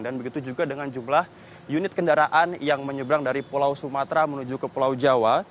begitu juga dengan jumlah unit kendaraan yang menyeberang dari pulau sumatera menuju ke pulau jawa